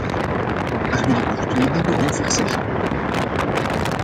Daar wil ik nog twee dingen over zeggen.